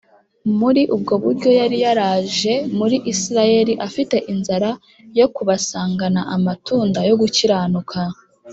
muri ubwo buryo yari yaraje muri isirayeli, afite inzara yo kubasangana amatunda yo gukiranuka